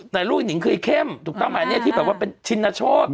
แต่ลูกนิ่งคืออีเช่มที่เป็นชินนาโช